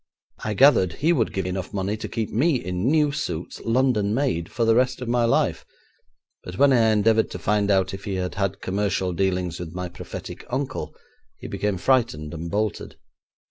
I gathered he would give enough money to keep me in new suits, London made, for the rest of my life, but when I endeavoured to find out if he had had commercial dealings with my prophetic uncle, he became frightened and bolted.